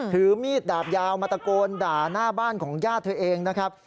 ถือมีดดาบยาวมาตะโกนด่าหน้าบ้านของญาติเธอเองนะครับ